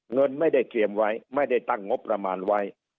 เงินไม่ได้เตรียมไว้ไม่ได้ตั้งงบประมาณไว้